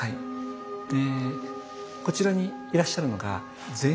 でこちらにいらっしゃるのが善